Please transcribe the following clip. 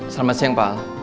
selamat siang pak